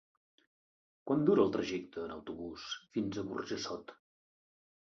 Quant dura el trajecte en autobús fins a Burjassot?